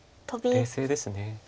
冷静です。